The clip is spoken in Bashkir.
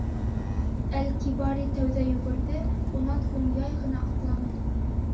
Әл-Кибари тәүҙә йүгерҙе, унан һуң яй ғына атланы.